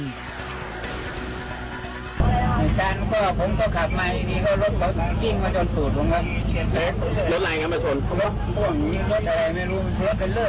ด้านตบรวจผมก็ขับมาที่นี่